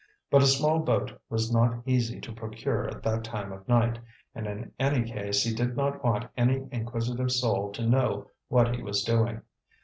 But a small boat was not easy to procure at that time of night, and in any case he did not want any inquisitive soul to know what he was doing.